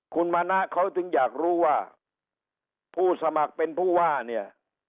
คุณมณะเขาถึงอยากรู้ว่าผู้สมัครเป็นผู้ว่าเนี่ย